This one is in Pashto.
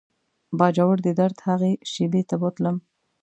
باجوړ د درد هغې شېبې ته بوتلم.